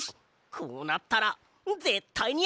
こうなったらぜったいにあてるぞ！